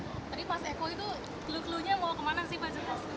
tadi pas eko itu klunya mau kemana sih pak jakarta